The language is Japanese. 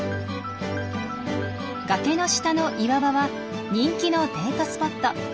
崖の下の岩場は人気のデートスポット。